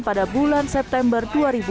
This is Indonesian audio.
pada bulan september dua ribu delapan belas